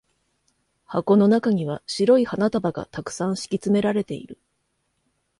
箱の中には白い花束が沢山敷き詰められている。